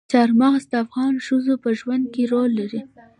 چار مغز د افغان ښځو په ژوند کې رول لري.